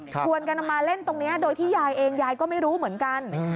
ชวนกันเอามาเล่นตรงนี้โดยที่ยายเองยายก็ไม่รู้เหมือนกัน